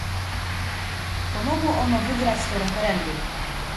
Pomogło ono wygrać to referendum